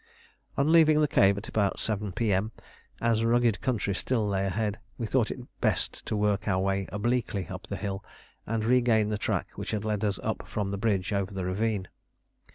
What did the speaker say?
On leaving the cave at about 7 P.M., as rugged country still lay ahead, we thought it best to work our way obliquely up the hill and regain the track which had led us up from the bridge over the ravine.